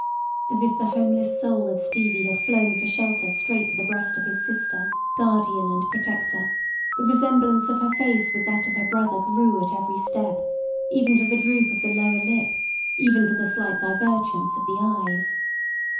As if the homeless soul of Stevie had flown for shelter straight to the breast of his sister, guardian and protector, the resemblance of her face with that of her brother grew at every step, even to the droop of the lower lip, even to the slight divergence of the eyes.